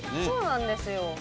そうなんですよ。